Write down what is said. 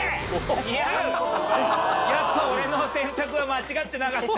やっぱ俺の選択は間違ってなかった！